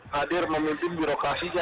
hadir memimpin birokrasinya